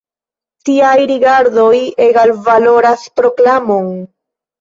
Tiaj rigardoj egalvaloras proklamon.